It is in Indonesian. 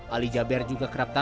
ali jaber juga kerap tampil